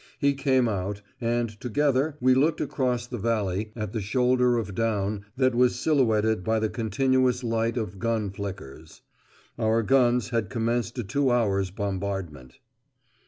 He came out, and together we looked across the valley at the shoulder of down that was silhouetted by the continuous light of gun flickers. Our guns had commenced a two hours' bombardment.